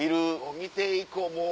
見て行こうもう。